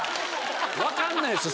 分かんないです